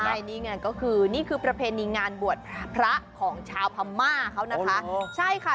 ใช่นี่ก็คือนี่คือประเพณีงานบวชพระพระของชาวพม่าเขานะคะ